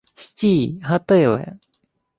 — Стій, Гатиле!